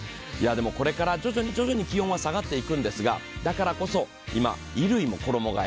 これから徐々に徐々に気温は下がっていくんですが、だからこそ今、衣類も衣がえ。